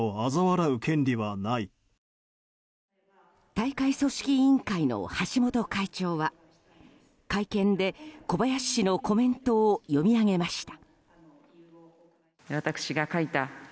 大会組織委員会の橋本会長は会見で、小林氏のコメントを読み上げました。